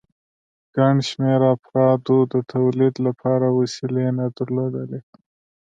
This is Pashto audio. ګڼ شمېر افرادو د تولید لپاره وسیلې نه درلودې